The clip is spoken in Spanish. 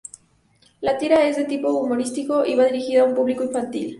La tira es de tipo humorístico y va dirigida a un público infantil.